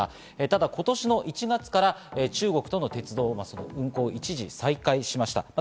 ただ今年の１月、中国との鉄道の運行を一時再開しました。